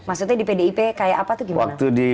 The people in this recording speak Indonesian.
maksudnya di pdip kayak apa tuh gimana